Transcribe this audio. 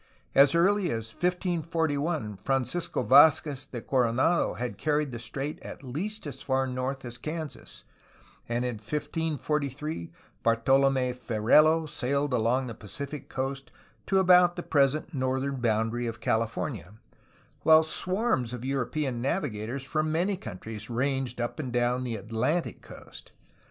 As early as 1541, Francisco Vd zquez de Coronado had carried the strait at least as far north as Kansas, and in 1543 Bartolom6 Ferrelo sailed along the Pacific coast to about the present northern boundary of California, while swarms of European navigators from many countries ranged up and down the Atlantic coast.